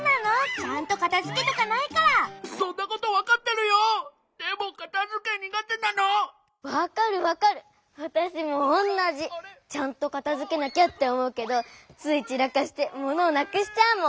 ちゃんとかたづけなきゃっておもうけどついちらかしてものをなくしちゃうもん！